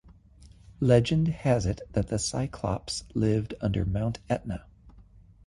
Legend has it that the Cyclopes lived under Mount Etna.